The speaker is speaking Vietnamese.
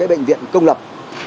ở bệnh viện công lập